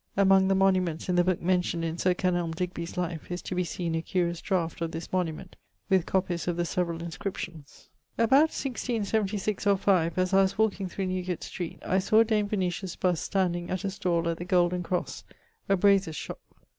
Among the monuments in the booke mentioned in Sir Kenelm Digby's life, is to be seen a curious draught of this monument, with copies of the severall inscriptions. About 1676 or 5, as I was walking through Newgate street, I sawe Dame Venetia's bust standing at a stall at the Golden Crosse, a brasier's shop.